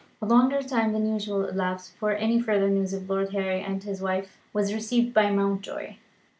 A longer time than usual elapsed before any further news of Lord Harry and his wife was received by Mountjoy.